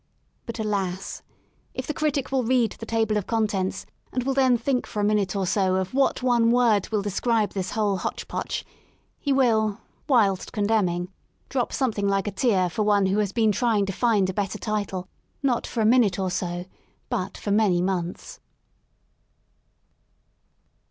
But alas I If the critic will read the Table of Contents, and will then think for a minute or so of what one word will describe this whole hotchpotch, he will, whilst condemning, drop something like a tear for one who has been trying to find a better title, not for a minute or so, but for many months.